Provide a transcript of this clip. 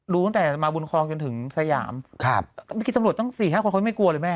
รู้ตั้งแต่มาบุญคลองจนถึงสยามครับเมื่อกี้ตำรวจตั้งสี่ห้าคนเขาไม่กลัวเลยแม่